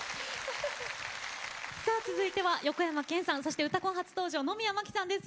続いては横山剣さん「うたコン」初登場の野宮真貴さんです。